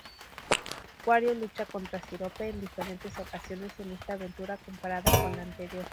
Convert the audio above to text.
Wario lucha contra Sirope en diferentes ocasiones en esta aventura comparada con la anterior.